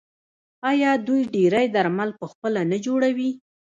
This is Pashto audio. آیا دوی ډیری درمل پخپله نه جوړوي؟